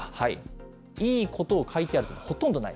いいことを書いてあることはほとんどない。